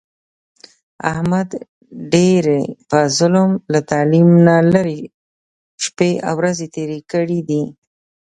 احمد ډېرې په ظلم، له تعلیم نه لرې شپې او ورځې تېرې کړې دي.